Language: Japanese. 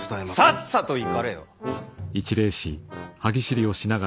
さっさと行かれよ！